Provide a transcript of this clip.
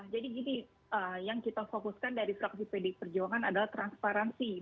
jadi gini yang kita fokuskan dari fraksi pdip perjuangan adalah transparansi